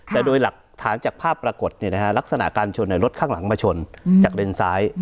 แต่โดยหลักฐานจากภาพปรากฏลักษณะการชนรถข้างหลังมาชนจากเลนซ้าย